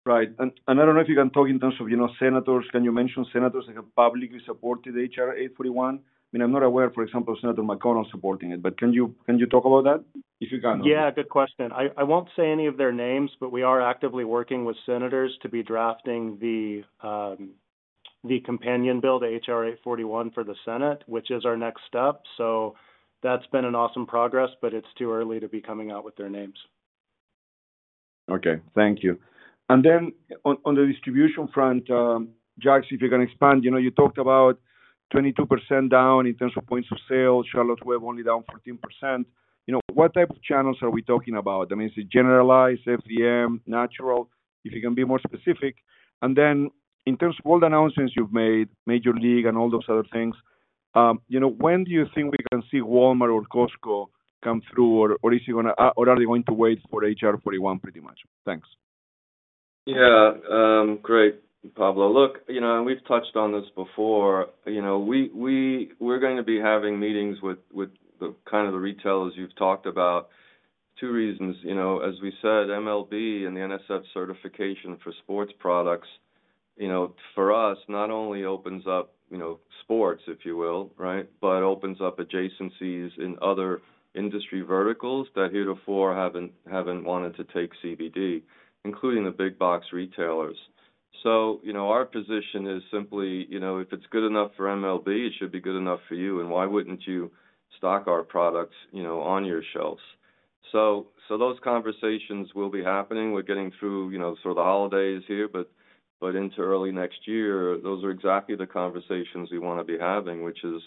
Right. I don't know if you can talk in terms of, you know, senators. Can you mention senators that have publicly supported H.R. 841? I mean, I'm not aware, for example, of Senator McConnell supporting it, but can you talk about that? If you can. Yeah, good question. I won't say any of their names, but we are actively working with senators to be drafting the companion bill to H.R. 841 for the Senate, which is our next step. That's been an awesome progress, but it's too early to be coming out with their names. Okay. Thank you. Then on the distribution front, Jacks, if you can expand. You know, you talked about 22% down in terms of points of sale. Charlotte's Web only down 14%. You know, what type of channels are we talking about? I mean, is it generalized, FDM, natural? If you can be more specific. Then in terms of all the announcements you've made, Major League and all those other things, you know, when do you think we can see Walmart or Costco come through, or are they going to wait for H.R. 841 pretty much? Thanks. Yeah. Great, Pablo. Look, you know, we've touched on this before. You know, we're gonna be having meetings with the kind of retailers you've talked about. Two reasons, you know. As we said, MLB and the NSF certification for sports products, you know, for us, not only opens up, you know, sports, if you will, right? Opens up adjacencies in other industry verticals that heretofore haven't wanted to take CBD, including the big box retailers. You know, our position is simply, you know, if it's good enough for MLB, it should be good enough for you, and why wouldn't you stock our products, you know, on your shelves? Those conversations will be happening. We're getting through, you know, sort of the holidays here, but into early next year, those are exactly the conversations we wanna be having, which is,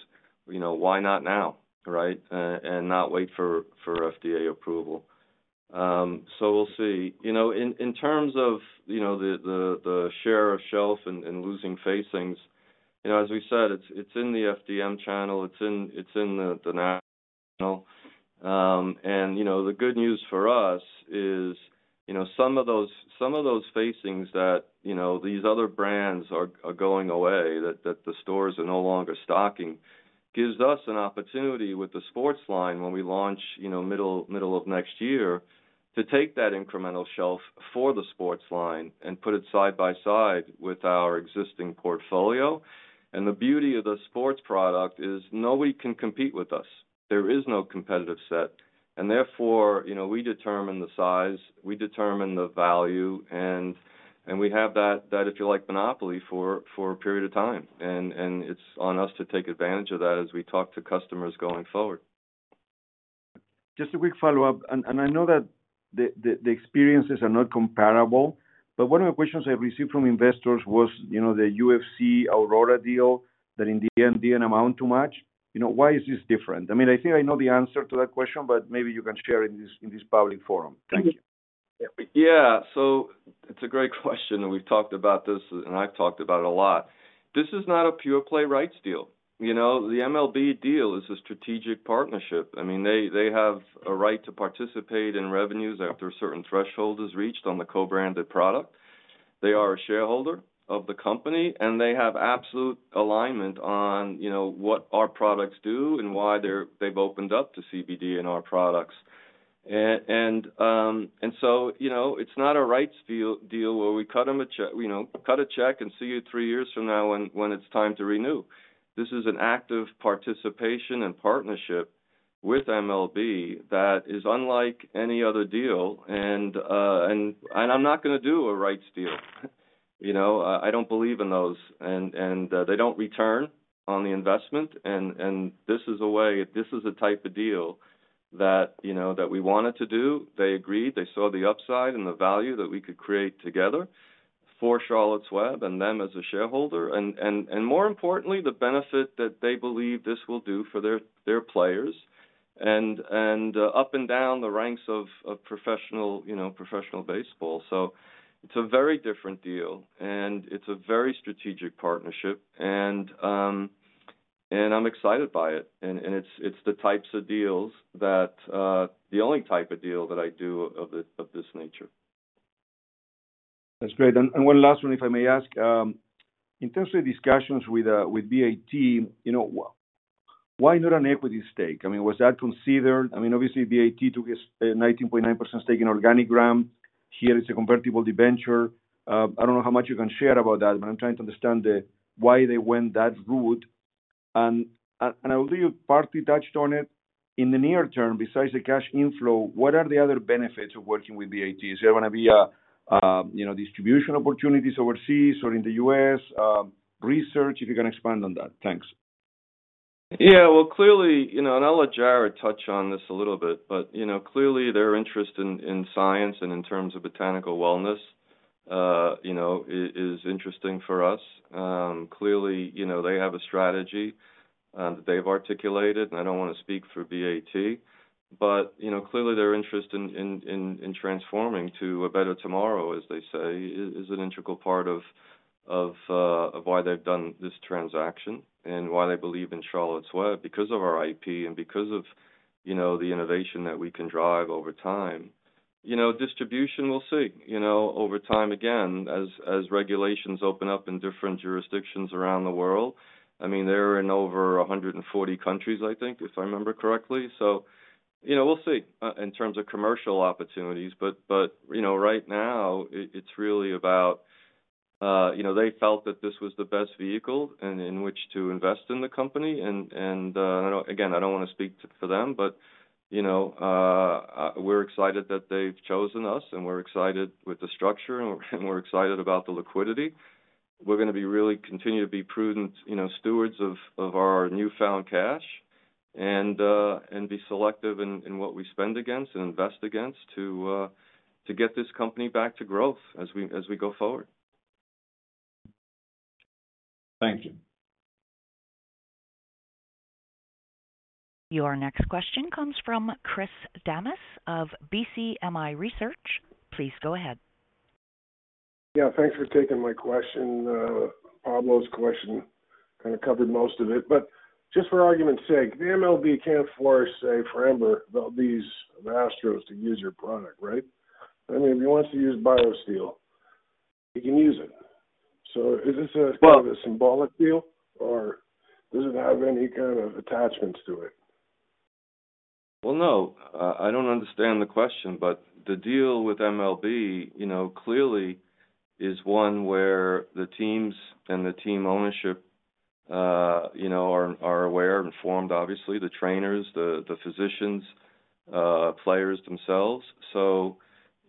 you know, why not now, right, and not wait for FDA approval. We'll see. You know, in terms of, you know, the share of shelf and losing facings, you know, as we said, it's in the FDM channel. You know, the good news for us is, you know, some of those facings that, you know, these other brands are going away, that the stores are no longer stocking, gives us an opportunity with the sports line when we launch, you know, middle of next year to take that incremental shelf for the sports line and put it side by side with our existing portfolio. The beauty of the sports product is nobody can compete with us. There is no competitive set. Therefore, you know, we determine the size, we determine the value, and we have that, if you like, monopoly for a period of time. It's on us to take advantage of that as we talk to customers going forward. Just a quick follow-up, and I know that the experiences are not comparable, but one of the questions I received from investors was, you know, the UFC Aurora deal that in the end didn't amount to much. You know, why is this different? I mean, I think I know the answer to that question, but maybe you can share it in this public forum. Thank you. Yeah. It's a great question, and we've talked about this, and I've talked about it a lot. This is not a pure play rights deal. You know? The MLB deal is a strategic partnership. I mean, they have a right to participate in revenues after a certain threshold is reached on the co-branded product. They are a shareholder of the company, and they have absolute alignment on, you know, what our products do and why they've opened up to CBD and our products. You know, it's not a rights deal where we cut them a you know, cut a check and see you three years from now when it's time to renew. This is an active participation and partnership with MLB that is unlike any other deal. I'm not gonna do a rights deal. You know, I don't believe in those and they don't return on the investment and this is a way, this is the type of deal that, you know, that we wanted to do. They agreed. They saw the upside and the value that we could create together for Charlotte's Web and them as a shareholder. More importantly, the benefit that they believe this will do for their players and up and down the ranks of professional, you know, professional baseball. It's a very different deal, and it's a very strategic partnership. I'm excited by it. It's the types of deals that the only type of deal that I do of this nature. That's great. One last one, if I may ask. In terms of discussions with BAT, you know, why not an equity stake? I mean, was that considered? I mean, obviously BAT took a 19.9% stake in Organigram. Here it's a convertible debenture. I don't know how much you can share about that, but I'm trying to understand why they went that route. Although you partly touched on it, in the near term, besides the cash inflow, what are the other benefits of working with BAT? Is there gonna be a, you know, distribution opportunities overseas or in the US, research? If you can expand on that. Thanks. Yeah. Well, clearly, you know, and I'll let Jared touch on this a little bit, but, you know, clearly their interest in science and in terms of botanical wellness, you know, is interesting for us. Clearly, you know, they have a strategy that they've articulated, and I don't wanna speak for BAT, but, you know, clearly their interest in transforming to a better tomorrow, as they say, is an integral part of of why they've done this transaction and why they believe in Charlotte's Web because of our IP and because of, you know, the innovation that we can drive over time. You know, distribution, we'll see. You know, over time, again, as regulations open up in different jurisdictions around the world. I mean, they're in over 140 countries, I think, if I remember correctly. You know, we'll see in terms of commercial opportunities, but you know, right now it's really about, you know, they felt that this was the best vehicle in which to invest in the company. Again, I don't wanna speak for them, but you know, we're excited that they've chosen us, and we're excited with the structure, and we're excited about the liquidity. We're gonna really continue to be prudent, you know, stewards of our newfound cash and be selective in what we spend against and invest against to get this company back to growth as we go forward. Thank you. Your next question comes from Chris Damas of BCMI Research. Please go ahead. Yeah, thanks for taking my question. Pablo's question kinda covered most of it. Just for argument's sake, the MLB can't force, say, Framber, these Astros to use your product, right? I mean, if he wants to use BioSteel, he can use it. Is this a- Well- Kind of a symbolic deal, or does it have any kind of attachments to it? Well, no. I don't understand the question, but the deal with MLB, you know, clearly is one where the teams and the team ownership, you know, are aware and informed, obviously, the trainers, the physicians, players themselves.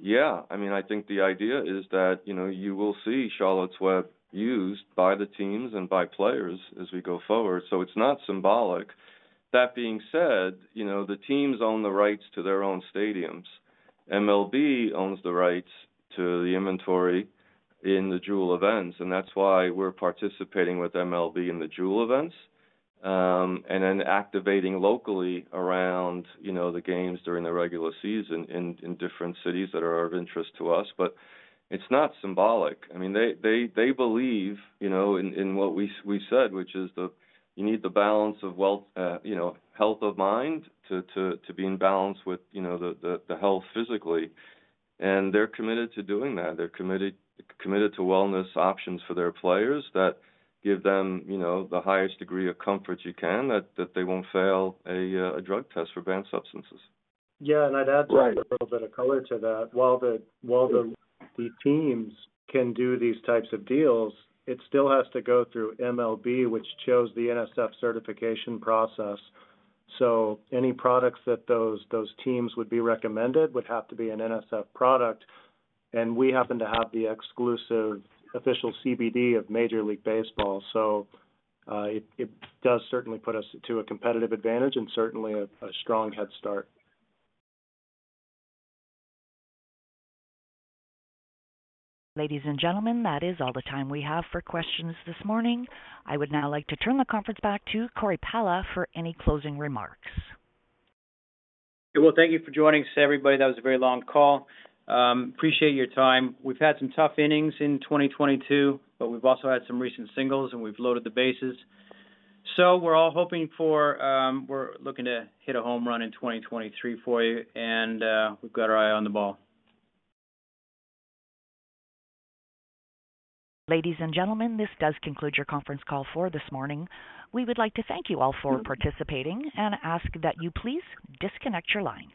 Yeah, I mean, I think the idea is that, you know, you will see Charlotte's Web used by the teams and by players as we go forward. It's not symbolic. That being said, you know, the teams own the rights to their own stadiums. MLB owns the rights to the inventory in the Jewel events, and that's why we're participating with MLB in the Jewel events, and then activating locally around, you know, the games during the regular season in different cities that are of interest to us. It's not symbolic. I mean, they believe, you know, in what we said, which is you need the balance of wellness, you know, health of mind to be in balance with, you know, the health physically, and they're committed to doing that. They're committed to wellness options for their players that give them, you know, the highest degree of comfort you can that they won't fail a drug test for banned substances. Yeah. I'd add- Right Just a little bit of color to that. While the teams can do these types of deals, it still has to go through MLB, which chose the NSF certification process. Any products that those teams would recommend would have to be an NSF product, and we happen to have the exclusive official CBD of Major League Baseball. It does certainly put us at a competitive advantage and certainly a strong head start. Ladies and gentlemen, that is all the time we have for questions this morning. I would now like to turn the conference back to Cory Pala for any closing remarks. Well, thank you for joining us, everybody. That was a very long call. Appreciate your time. We've had some tough innings in 2022, but we've also had some recent singles, and we've loaded the bases. We're looking to hit a home run in 2023 for you, and we've got our eye on the ball. Ladies and gentlemen, this does conclude your conference call for this morning. We would like to thank you all for participating and ask that you please disconnect your lines.